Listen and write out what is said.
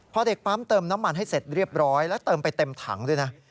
พอเด็กปั๊มเติมน้ำมันให้เสร็จเรียบร้อยแล้วเติมไปเต็มถังด้วยนะ